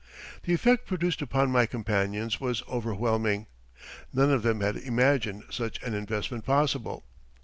The effect produced upon my companions was overwhelming. None of them had imagined such an investment possible.